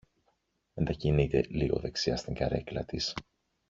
μετακινείται λίγο δεξιά στην καρέκλα της